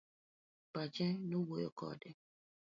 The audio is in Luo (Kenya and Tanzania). Pache nowuoyo kode.